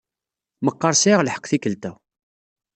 Meqqar sɛiɣ lḥeqq tikkelt-a.